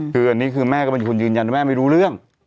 คืออันนี้คือแม่ก็เป็นคนยืนยันว่าแม่ไม่รู้เรื่อง